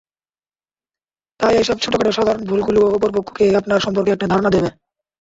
তাই এসব ছোটখাটো সাধারণ ভুলগুলোও অপর পক্ষকে আপনার সম্পর্কে একটা ধারণা দেবে।